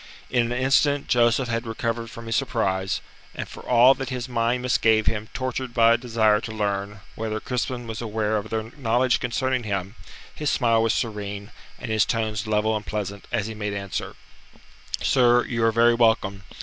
In an instant Joseph had recovered from his surprise, and for all that his mind misgave him tortured by a desire to learn whether Crispin was aware of their knowledge concerning him his smile was serene, and his tones level and pleasant, as he made answer: "Sir, you are very welcome.